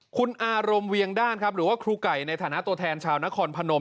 คุณอารมณ์เวียงด้านครับหรือว่าครูไก่ในฐานะตัวแทนชาวนครพนม